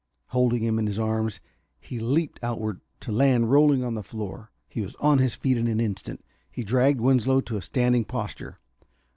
Holding him in his arms, he leaped outward, to land rolling on the floor. He was on his feet in an instant. He dragged Winslow to a standing posture.